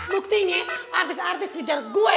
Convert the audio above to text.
buktinya artis artis hejar gue